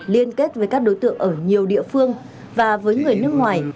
liên kết với các đối tượng ở nhiều địa phương và với người nước ngoài